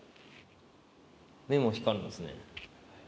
目も光るんですね。